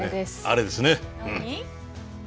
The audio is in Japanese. あれですね。